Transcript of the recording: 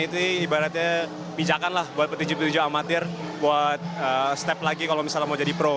itu ibaratnya pijakan lah buat petinju petinju amatir buat step lagi kalau misalnya mau jadi pro